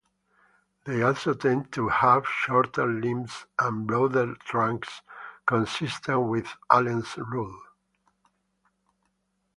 They also tend to have shorter limbs and broader trunks, consistent with Allen's rule.